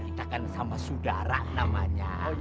kita kan sama saudara namanya